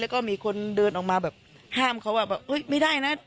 แล้วก็มีคนเดินออกมาแบบห้ามเขาว่าแบบไม่ได้นะ